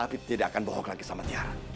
tapi tidak akan bohong lagi sama tiara